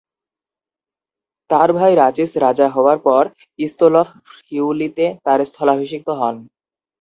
তার ভাই রাচিস রাজা হওয়ার পর, ইস্তুলফ ফ্রিউলিতে তার স্থলাভিষিক্ত হন।